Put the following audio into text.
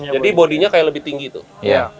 jadi bodynya kaya lebih tinggi tuh